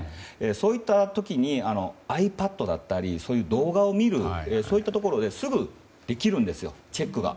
そういった時にｉＰａｄだったり動画を見る、そういったところですぐできるんですチェックが。